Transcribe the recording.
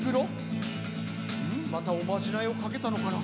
またおまじないをかけたのかな？